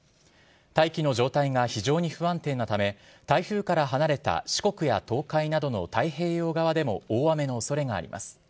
大気の状態が非常に不安定なため、台風から離れた四国や東海などの太平洋側でも大雨のおそれがあります。